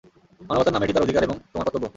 মানবতার নামে এটি তার অধিকার এবং তোমার কর্তব্য।